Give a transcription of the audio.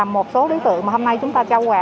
một số đối tượng mà hôm nay chúng ta trao quà